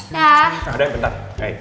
nah udah bentar